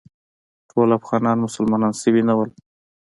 ټول افغانان مسلمانان شوي نه ول.